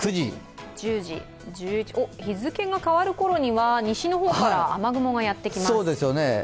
日付が変わる頃には西の方から雨雲がやってきます。